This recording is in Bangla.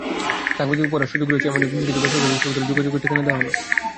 সাংবাদিকতা পড়ার সুযোগ রয়েছে এমনি কিছু বেসরকারি বিশ্ববিদ্যালয়ের যোগাযোগের ঠিকানা দেওয়া হলো।